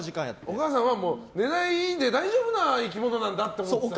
お母さんは寝ないで大丈夫な生き物なんだって思ってたんだ。